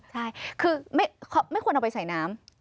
ใช่คือไม่ควรเอาไปใส่น้ำ